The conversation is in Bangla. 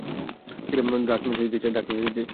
ড্রাক ম্যাসেজ দিয়েছে।